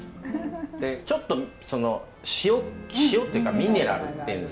ちょっとその塩っていうかミネラルっていうんですか？